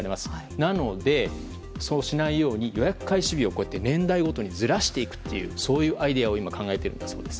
なのでそうしないように予約開始日を年代ごとにずらしていくというアイデアを考えているんだそうです。